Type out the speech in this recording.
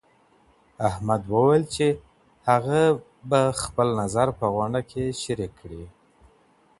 احمد وویل چي هغه به خپل نظر په غونډه کي شریک کړي.